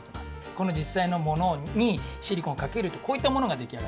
このじっさいのものにシリコンをかけるとこういったものができあがってきます。